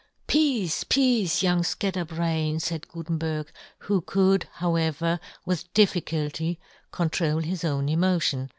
" Peace, peace, young fcatter " brain !" faid Gutenberg, who could, however, with difficulty control his own emotion.